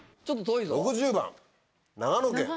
６０番長野県。